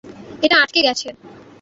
এটা আটকে গেছে!